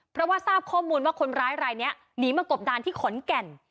เพราะว่าทราบข้อมูลว่าคนร้ายรายนี้หนีมากบดานที่ขอนแก่น